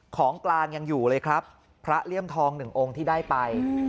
ของกลางยังอยู่เลยครับพระเลี่ยมทองหนึ่งองค์ที่ได้ไป